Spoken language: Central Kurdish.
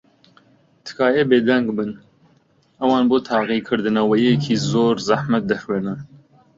تکایە بێدەنگ بن. ئەوان بۆ تاقیکردنەوەیەکی زۆر زەحمەت دەخوێنن.